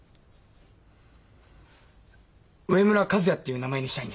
上村和也っていう名前にしたいんです。